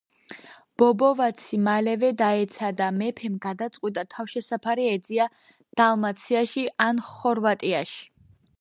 ბობოვაცი მალევე დაეცა და მეფემ გადაწყვიტა თავშესაფარი ეძია დალმაციაში ან ხორვატიაში.